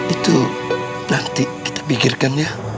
itu nanti kita pikirkan ya